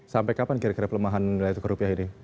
sampai kapan kira kira pelemahan nilai tukar rupiah ini